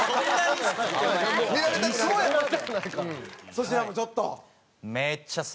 粗品もちょっと。